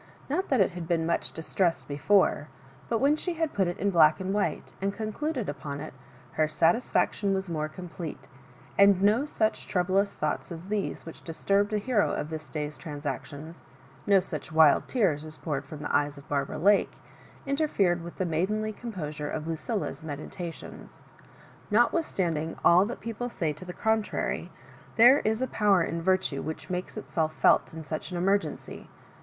Not that it had been much distressed before, but when she had put it in black and white, and con cluded upon it, her satisfaction was more com plete ; and no such troublous thoughts as those which disturbed the hero of this day's transac tions — ^no such wild teara as poured from the eyes of Barbara Lake — interfered with the maid enly composure of Lucilla's meditations. Not withstanding all that people say to the contrary, there is a power in virtue which makes itself felt in such an emergency.